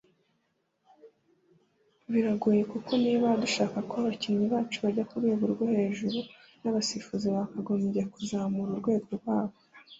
Biragoye kuko niba dushaka ko abakinnyi bacu bajya ku rwego rwo hejuru n’abasifuzi bakagombye kuzamura urwego rwabo